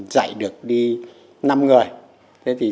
dạy được đi năm người